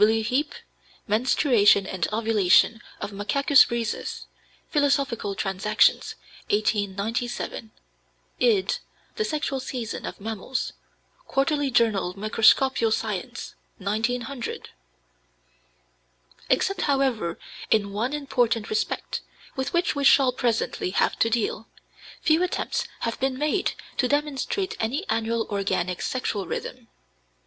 (W. Heape, "Menstruation and Ovulation of Macacus rhesus," Philosophical Transactions, 1897; id. "The Sexual Season of Mammals," Quarterly Journal Microscopical Science, 1900.) Except, however, in one important respect, with which we shall presently have to deal, few attempts have been made to demonstrate any annual organic sexual rhythm.